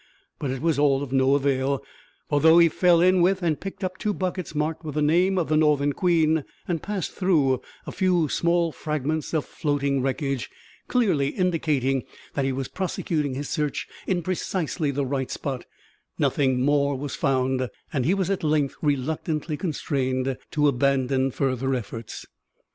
But it was all of no avail; for, though he fell in with and picked up two buckets marked with the name of the Northern Queen, and passed through a few small fragments of floating wreckage, clearly indicating that he was prosecuting his search in precisely the right spot, nothing more was found, and he was at length reluctantly constrained to abandon further efforts.